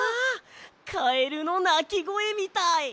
カエルのなきごえみたい！